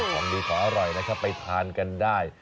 ของดีของอร่อยนะครับไปทานกันได้